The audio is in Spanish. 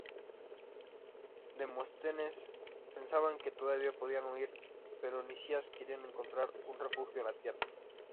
Demóstenes pensaba que todavía podían huir, pero Nicias quería encontrar un refugio en tierra.